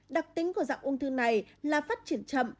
đặc tính của dạng ung thư này là phát triển chậm